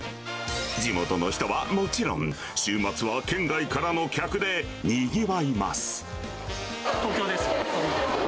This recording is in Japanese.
地元の人はもちろん、週末は県外からの客でにぎわいます。